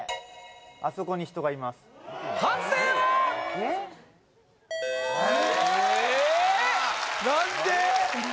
あそこに人がいますえっ！？